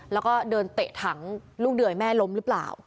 แล้วก็เดินเตะถังลูกเดื่อยแม่ล้มหรือเปล่า